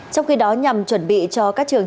trong khi đó nhằm chuẩn bị cho các trường